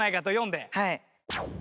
はい。